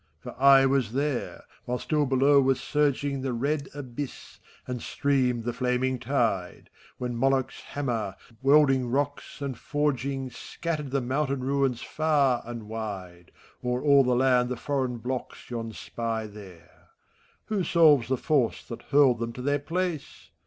For I was there, while still below was surging The red abyss, and streamed the flaming tide,— When Moloch's hammer, welding rocks and forgiiigy Scattered the mountain ruins far and wide. O'er all the land the foreign blocks yon spy there ; Who solves the force that hurled them to their place?